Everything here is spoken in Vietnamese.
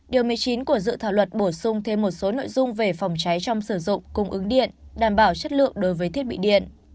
điều một mươi chín của dự thảo luật bổ sung thêm một số nội dung về phòng cháy trong sử dụng cung ứng điện đảm bảo chất lượng đối với thiết bị điện